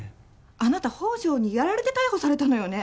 あなた宝条にやられて逮捕されたのよね